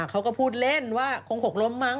เขาก็พูดเล่นว่าคงหกล้มมั้